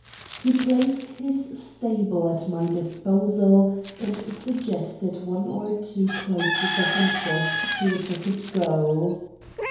He placed his stable at my disposal, and suggested one or two places of interest to which I could go.